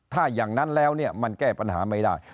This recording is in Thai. ถ้าอย่างนั้นแล้วมันแก้ปัญหาไม่ได้